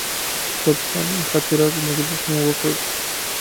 پر پخوانیو خاطراتو مجلس مو وکړ.